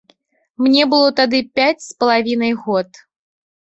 Мне было тады пяць з палавінай год.